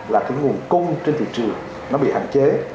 là cái nguồn cung trên thị trường nó bị hạn chế